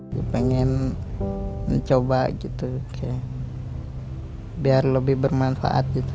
dia pengen mencoba gitu biar lebih bermanfaat gitu